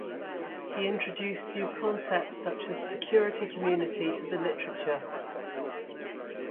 He introduced new concepts such as security community to the literature.